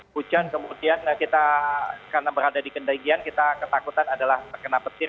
hujan kemudian kita karena berada di kendagian kita ketakutan adalah terkena petir